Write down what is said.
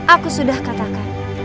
aku sudah katakan